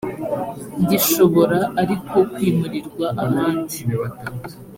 gishobora ariko kwimurirwa ahandi